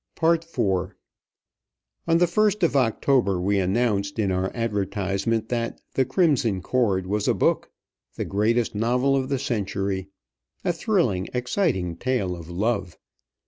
IV On the first of October we announced in our advertisement that "The Crimson Cord" was a book; the greatest novel of the century; a thrilling, exciting tale of love.